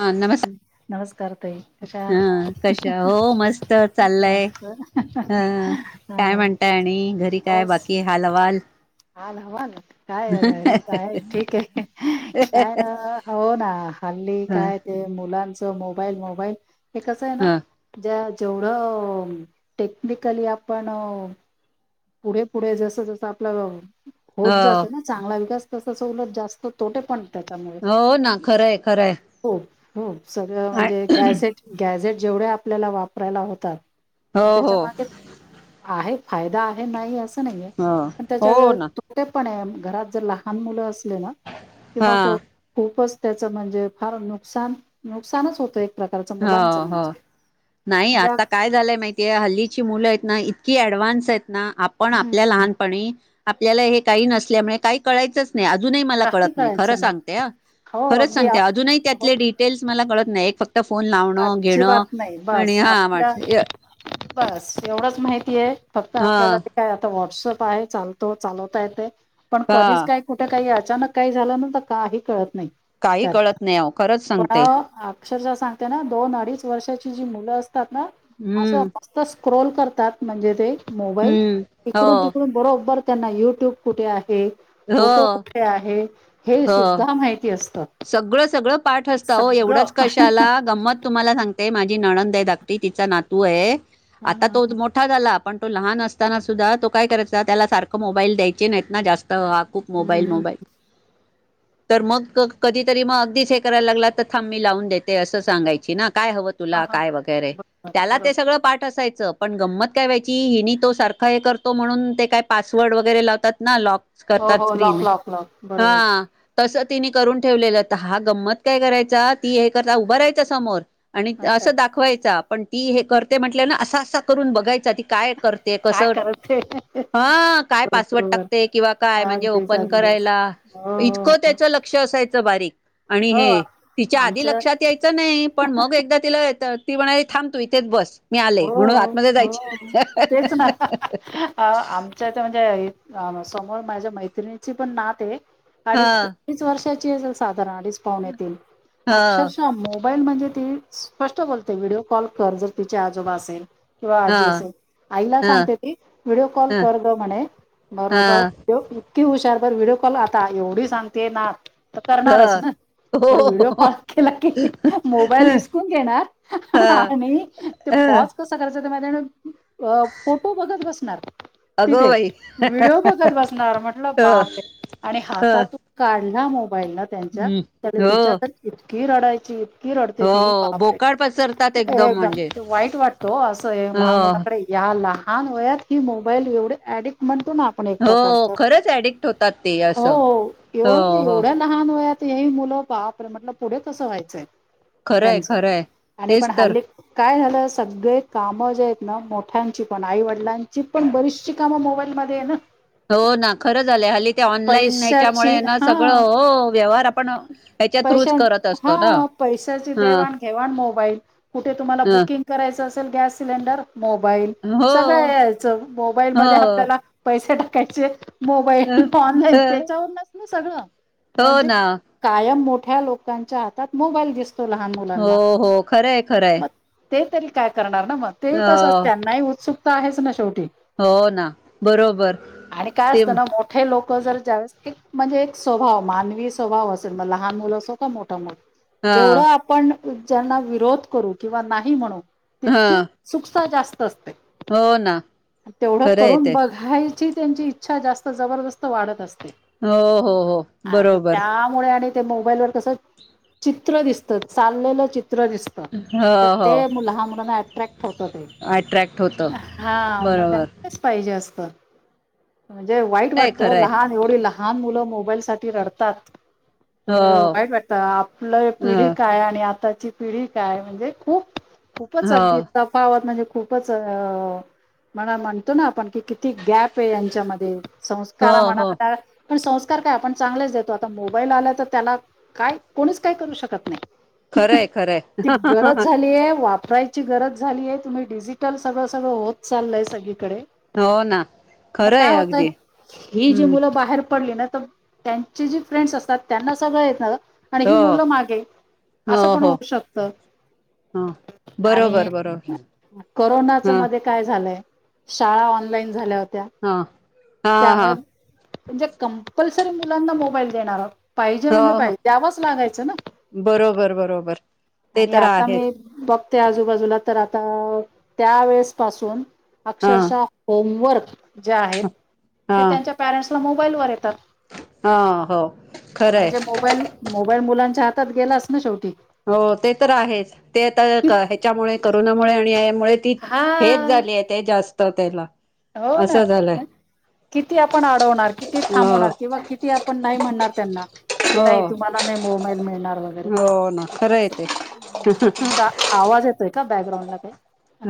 हा नमस् नमस्कार ताई कशा आहात? हा कशा हो मस्त चाललय मस्त ह काय म्हणताय आणि घरी काय बाकी हालहवाल हालहवाल काय आहे घरीच आहे ठीक आहे काय ना हो ना हल्ली ह काय ते मुलांच मोबाईल मोबाईल हे कस आहे ना ह ज्या जेवढं टेक्निकली आपण पुढे पुढे जस जसं आपला हो होत जातं ना चांगला विकास तसं सवलत जास्त तोटे पण त्याच्यामुळे हो ना खरंय खरंय हो सगळं म्हणजे गॅझेट गॅझेट जेवढे आपल्याला वापरायला होतात हो पण हो त्याच्या मागे आहे फायदा आहे नाही अस नाहीये हो पण हो त्याचे ना तोटे पणे घरात लहान मुल अस ले ना हा कीवा खूपच त्याच म्हणजे फार नुकसा नुकसानच होतय ह हो नाही म्हणजे आता अग- काय झालंय माहितीय हल्लीची मुलंयत ना इतकी ऍडवान्सेत ना आपण हम्म, आपल्या हम्म, लहानपणी आपल्याला हे काही नसल्यामुळे काही कळायचंच नाही अजूनही मला काही कळत नाही खर कळायचं सांगते ह हो खरच अगदी आ- सांगते अजूनही त्यातले डिटेल्स मला कळत नाही एक फक्त फोन लावणं घेणं आजीबात नाही आणि बस हा आपल्या माणस बस एवढंच माहितीये फक्त हा आपल्याला ते काय आता व्हॉट्सअप आहे चालतो चालवता येते. पण कधीच हा काही कुठे काही अचानक काही झालना त काही कळत नाही काही त्याच् कळत नाही अ खरंच पण सांगते अक्षरशः सांगते ना दोन अडीच वर्षाची जी मुलं असतात ना असं हम्म मस्त स्क्रोल करतात म्हणजे ते मोबाईल हम्म हो ईकडून तिकडून बरोबर त्यांना यूट्यूब कुठे आहे हो फोटो कुठे आहे हे हो सुद्धा माहिती असत. सगळं सगळं पाठ असत, अहो एवढंच कशाला गमंत तुम्हाला सांगते माझी नणंदे धाकटी तिचा नातूये आता हा हा. तो मोठा झाला. पण तो लहान असताना सुद्धा तो काय करायचा त्याला सारखं मोबाईल द्यायचे नाहीत ना जास्त हा खूप हम्म मोबाईल हम्म मोबाईल तर मग कधीतरी म अगदीच हे करायला लागला तर थांबमी लावून देते असं सांगायची ना काय हवं हा तुला हा काय वगैरे बरोबर त्याला बरोबर ते सगळं पाठ असायचं पण गंमत काय व्हायची हिनी तो सारखा हे करतो म्हणून ते काय पासवर्ड वगैरे लावतात ना लॉक हो करतात हो स्क्रीन लॉक लॉक लॉक बरोबर हा तस तिने करून ठेवलेलं, त हा गंमत काय करायचा ती हे करता उभार रायचा समोर आणि अच्छा असं दाखवायचा पण ती हे करते म्हंटल्या न असा असा करून बघायचा ती काय करते कस काय करते ह काय पासवर्ड बरोबर टाकते किंवा काय म्हणजे अगदीच ओपन अगदीच करायला. हो इतकं हो त्याच लक्ष असायचं. बारीक आणि हो हे हो, तिच्या आधी आमचं लक्षात यायचं नाही पण मग एकदा तिला त ती म्हणा थांबतो इथेच बस मी आले म्हणून हो, आतमध्ये हो. जायची तेच ना. हा समोर माझ्या मैत्रिणीची पण नाते हा अडीच अडीच वर्षाची [unintelligible] सात अडीच पावणेतीन हा अक्षरशा मो मोबाईल म्हणजे ती स्पष्ट बोलते व्हिडिओ कॉल कर जर तिच्या आजोबा असेल. किंवा हा आजी असेल आईला हा सांगते ती व्हिडिओ कॉल ह कर ग म्हणे. ह बरोबर इतकी हुशार बर व्हिडिओ कॉल आता एवढी सांगते ना. तर ह करणारच ना. बरं व्हिडिओ कॉल हो केला की मोबाईल इसकून घेणार ह आणि अ पॉज कसा करायचा त्या माहिती फोटो बघत बसणार. अगो तिथे बाई व्हिडिओ बघत बसणार म्हटलं अ बापरे आणि अ हातातून काढ ला मोबाईल ना त्यांच्या हम्म. हो तिच्यातच इतकी रडायची ईतकीरडते ती हो बापरे बोकाड पसरतात एकदम म्हणजे वाईट वाटत ओ असं ह्या हो लहान मुलांकडे या लहान वयात ही मोबाईल एवढी ऍडिकट म्हण आपण एक हो प्रकारच खरंच ऍडिक्ट होतात ते हो असं हो एवढ हो एवढ्या लहान वयात हेही मुलं बापरे म्हटल पुढे कसं व्हायचंय खरंय यांचं खरंय आणि तेच पण तर हल्ली ला सगळे काम जेयेत ना मोठ्यांची पण आई वडिलांची पण बरीचशी कामं मोबाईलमध्ये ना. हो ना खरं झालं हली ते ऑनलाईन पैशाची याच्यामुळे ना सगळं हो व्यवहार आपण पैश थ्रूच करत असतो ना हा पैशाची ह देवान घेवान मोबाईल कुठे तुम्हाला ह बुकिंग करायचं असेल गॅस सिलेंडर मोबाईल हो सगळ याच मोबाईल मध्ये हो आपल्याला पैसे टाकायचे. अ मोबाईल ऑनलाईन अ त्याच्यावरनस ना सगळं, हो म्हणजे ना कायम मोठ मोठ्या लोकांच्या हातात मोबाईल दिसत हो हो खरंय खरंय. मग ते तरी काय करणार ना मग ते अ तसंच त्यांनाही उत्सुकता आहेच ना शेवटी हो ना बरोबर आणि काय असत ते ना मोठे लोक जर जा्यास्त म्हणजे एक स्वभाव मानवी स्वभाव असेल म लहान मुलं असो का मोठा मोठ हा जेवढं आपण ज्यांना विरोध करू किंवा नाही म्हण हा तितकी सुकता जास्त हो ना तेवढं खरं आहे करून ते बघायची त्यांची इच्छा जास्त जबरदस्त वाढत असते हो हो हो बरोबर त्यामुळे आणि ते मोबाईल वर कस चित्र दिसत चाललेलं चित्र दिसत हो तर हो ते मुल ह मुलांना अट्रॅक्ट होत ते अट्रॅक्ट होत हा मग बरोबर त्यांनाच पाहिजे असत म्हणजे वाई खरंय वाट ल खरंय एव ल तात हो वाई वाटत आपलं ह पिढी काय आणि आ ी काय म्हणजे खूप खूपच हो अगदी तफावत म्हणजे खूपच अ मला म्हणतो ना आपण कि किती गॅप आहे यांच्यामध्ये संस्कार हो हो आता पण संस्कार काय आपण चांगलेच देतो आता मोबाईल आला तर त्याला काय कोणीच काय करू शकत नाही खरंय खरंय ती गरज वापरायची गरज झालीय तम्ही डिजिटल सगळं सगळं होत चालयग ग हो ना खरं काय आहे होत अगदी ह ज हम्म मु बाहेर पडली ना तर त्यांचे जे फ्रेंड्स असतात त्यांना सगळं येत ना आणि ही हो मुलं मागे हो असं पण हो होऊ शकत ह आणि बरोबर बरोबर कररोनाच हा मध्ये काय झा शाळा ऑनलाइन झाल्यात हा हा हा त्यामुळे म्हणजे कंपल्सरी मुलांना मोबाईल देणार पाहिजे हो म्हणजे हो पाहिजे आवाच लागायचं ना बरोबर बरोबर ते आणि तर आ आता आहेच मी बघते आजूबाजूला तर आता त्यावेेळेस पासून हा अक्षरशः होमवर्क जे आहेत हा ते त्यांच्या पॅरेंट्सला मोबाईल वर आहेत हा हो खरंय म्हणजे मोबाईल मोबाईल मुलांच्या हातात गेलाच ना शेवटी हो ते तर आहेच ते आ ह्याच्यामुळे करोनामुळे आणि मुळे ती हा हेच झाली आहे ते जास्त त्याला हो ना असं झालंय किती आपण अडवणार किती हो थांबवणार किंवा किती आपण नाही म्हणणार त्यांना कि नाही हो तुम्हाला नाही मोबाईल मिळणार वगैरे हो ना खरं आहे ते तुमचा आवाज येतोय का बॅकग्राउंड ला काही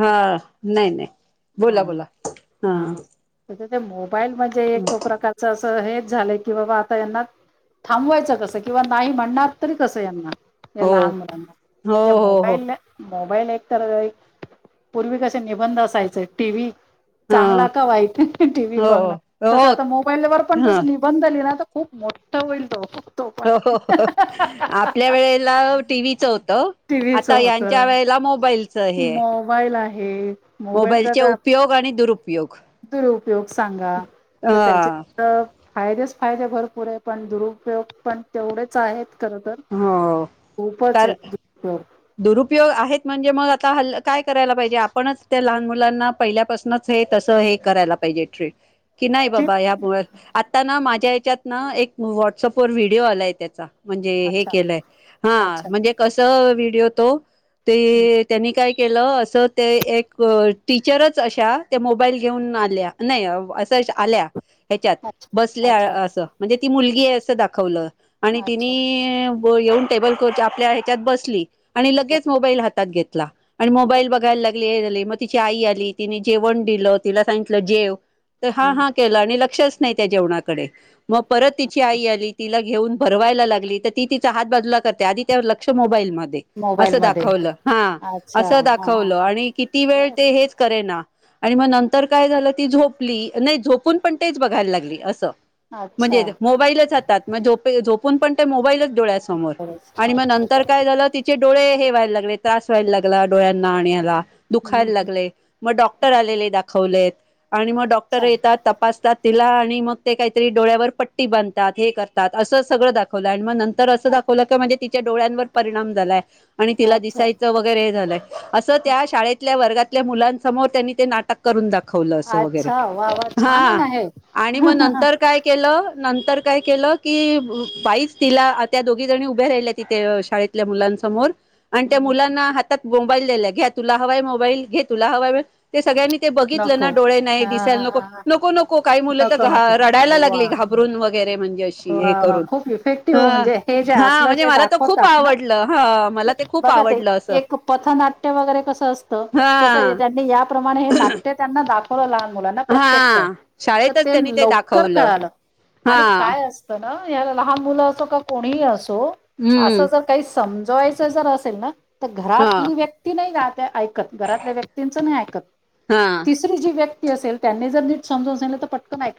हा नाही नाही हा बोला बोला हा हा मोबाईल म्हणजे एक तो प्रकारच हेच झालंय की बाबा आता यांना थांबवायचं कसं किंवा नाही म्हणणार तरी कसं यांना हो एला आ मिडंग हो म्हज म हो हो मोबईल मोबाईल एक तर पूर्वी कसे निबंध असायचे टीव्ही हा चांगला का वाहती टीव्ही हो बघणं तस हो आता मोबाईलवर पण हा जस निबंधलीि ना खूप मोठा होईल तो पण हो आपल्या वेळेला टीव्हीचं होत टीव्हीच आता होत यांच्या वेळेला मोबाईलच हे मोबाईल आहे मोबाईलचे उपयोग आणि दुरुपोग दुर उपयोग सांगा तर त्याचे हा फायदे फायदे भरपूर आहे पण दुरुपयोग पण तेवढेच आहेत खर तर हो खूपच कार आहे दुरुपयोग आहेत म्हणजे मग आता हल् काय करायला पाहिजे आपणच त्या लहान मुलांना पहिल्यापासूनच हेेत हे करायला पाहिजे ट कि नाही ठीक बाबा, या आता ना माझ्या या्याच्यात ना एक व्हॉट्सअप वर व्हिडिओ आलाय त्याचा. म्हणजे हे अच्छा केलंय. हा अच्छा म्हणजे कस व्हिडिओ तो ते त्यांनी काय केलं अस ते एक टीचरच अशा मोबाईल घेऊन आल्या. नाही अस अशा आल्या. ह्याच्यात अच्छा बसल्या. अच्छा असं म्हणजे ती मुलगी आहे असं दाखवलं आणि तिने अच्छा येऊन टेबल, खुर्च्या आपल्या ह्याच्यात बसली लगेच मोबाईल हातात घेतला. आणि मोबाईल बघायला लागली. हे झाली. तिची आई आली तिने जेवण दिलं तिला सांगितलं जे जेव त हा हा केलं तर लक्षच नाही त्या जेवणाकडे. मग परत तिची आई आली तिला हे घेऊन भरवायला लागली. तर ती तिचा हात बाजूला करते आधी त्या लक्ष मोबाईल म मोबाईल असं मध्ये दाखवलं. हा अच्छा असं हा दाखवलं. आणि किती हा वेळ ते हेच करेना. आणि मग नंतर काय झालं. ती झोपली नाही, झोपून पण तेच बघायला लागली असं. अच्छा म्हणजे मोबाईलच हातात झोपून पण मोबाईलच डळ्यासमोर अच्छा आणि अच्छा मगनंतर काय झालं त़ि चे डोळे हे व्हायला लागले. त्रास व्हायला लागला डोळ्यांना आणा याला दुखायला बरोबर लागलेय. मग डॉक्टर आलेले दाखवलेत. आणि मग डॉक्टर अच्छा येतात तपासतात. तिला आणि मग ते काहीतरी डोळ्यावर पट्टी बांधतात. हे करतात असं सगळं दाखवलं आणि मग नंतर असं दाखव म्हणजे तिच्या डोळ्यांवर परिणाम झालाय. आणि तिला अच्छा दिसायचं वगैरे हे झालंय. असं त्या शाळेतल्या वर्गातल्या मुलांसमोर त्यांनी ते नाटक करून दाखव दाखवलं असं वगैरे. अच्छा वा वा छान आहे हा ना हे आणि मग नंतर काय केलं? नंतर काय केलं की, बाईच तिला त्या दोघी जणी उभ्या राहिल्या तिथे शाळेतल्या मुलांसमोर आणि त्या मुलांना हातात मोबाईल दिला घ्या तुला हवाय मोबाईल? घे तुला हवाय? ते सगळ्यांनी ते बघितलं ना नको डोळे नाही. हा दिसायला हा नको हा हा नको नको काही मुलं तर नको नको घा रडायला वा लागली घा घाबरून रे म्हणजे अशी हे वा वा करून. खूप इफेक्टिव्ह म्हणजे हे जे हं असलं म्हणजे जे मला तर खूप दाखवतात ना आवडलं. ह मला ते खूप बघा ते आवडलं असं एक पथनाट्य वगैरे कस असतं हा तस त्यांनी या प्रमाणे हे नाट्य त्यांना दाखवलं लहान मुलांना प्रत्यक्ष. हा तर शाळेतच ते त्यांनी लवकर दाखवलं कळालं आणि हा काय असत ना? या लहान मुलं असो का कोणीही असो असं हम्म जर काही समजवायच जर असेल ना तर हा घरातली व्यक्ती नाही रा घरातल्या व्यक्तींच नाही ऐकत हा तिसरी जी व्यक्त तीअसेल त्यांनी जर नीट समजून असल तर पटक आईक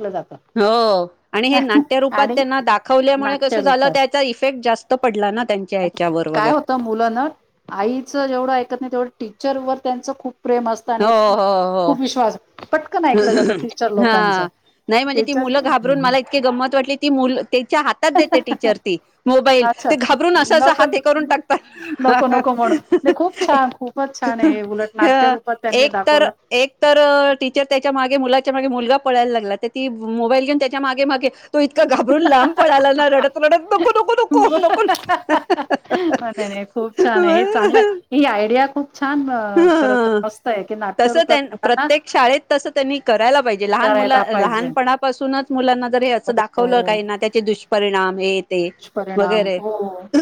हो. आणि हे नाट त्या रूपात आणि त्यांना दाखवल्यामुळे नाट्य कसं झालं? रूपात त्याचा इफेक्ट जास्त पडला ना त्यांच्या हच्यावर वगैरे. मुलाना आईचं जेवढं ऐकत नाही तेवढं टीचर व त्यांच खूप प्रेम असत. आणि हो हो हो खूप विश्वास प हा. नाही म्हणजे ती मुलं टीचर घाबरून मला इतके गंमत मत वाटली ती मुलं त्याच्या हातात देते टीचर मोबाईल. अच्छा ते घाबरून अस नको हात करून टाकता. नको नको म्हणून नाही खूप छान खूपच छान आहे हे उलट नाट्य अ रूपात त्यांनी एक तर दाखवलं ए एक तर टीचर त्याच्या मागे मुलाच्या मागे मुलगा पळायला लागला. त ती मोबाईल घेऊन त्याच्या मागे मागे. तो इतका घाबरून लांब पळाला ना रडत रडत नको नको नको नको नको. नाही नाही खूप छाने, हे चांगलं आहे ही आयडिया खूप छान खर तर हं. मस्त आहे की नाट्य तस त्यां रूपात मुलांना प्रत्येक शाळेत तस त्यांनी करायला पाहिजे लहान करायला मुला पाहिजे लहानपणापासूनच मुलांना जर हे हो असं हो दाखवलं हो. काही ना त्याचे दुष्परिणाम हे ते दुष्परिणाम वगैरे हो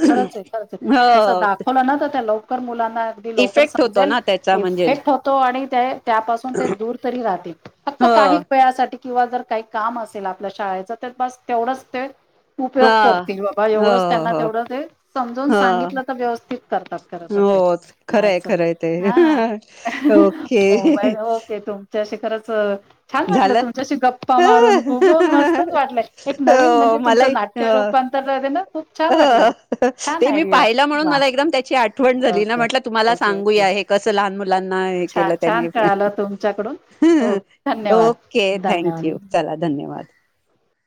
खरंचे, खरचे. तस हो दाखवलं ना त त्या लवकर मुलांना लवकर इफेक्ट होतो समजेल ना त्याचा म्हणजे इफेक्ट होतो. आणि ते त्यापासून ते दूर तरी राहतील. फक्त हो काही वेळासाठी किंवा जर काही काम असेल, आपल्या शाळेच तर बस तेवढंच ते हा उपयोग करत की बाबा हो एवढंच त्यांना हो तेवढं ते समजवून हा सांगितलं त व्यवस्थित करतात खर तर ते हो खरंय आस. खरंय ते हा ओके मोबाल तुमच्याशी खरंच छान वाटलं झालं तुमच्याशी गप्पा मारून खूप मस्तच वाटलंय एक नवीन हो म्हणजे तुमचं मलाही हो नाट्यरोपण त्या जागी ना खूप छान वाटलं हो छान ते मी आयडियाये पाहिला म्हणून वा मला एकदम त्याची आठवण झाली ना म्हटलं ओके तुम्हाला ओके सांगूया हे कस लहान मुलांना हे केलं छान छान त्यानी कळालं तुमच्याकडून हो धन्यवाद ओके थँक यू चला धन्यवाद धन्यवाद